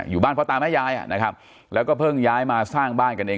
อยู่บ้านพ่อตาแม่ยายอ่ะนะครับแล้วก็เพิ่งย้ายมาสร้างบ้านกันเอง